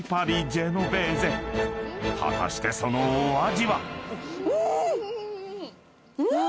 ［果たしてそのお味は？］